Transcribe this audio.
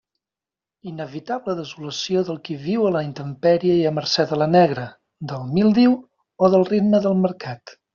Inevitable desolació del qui viu a la intempèrie i a mercé de la negra, del míldiu o del ritme del mercat.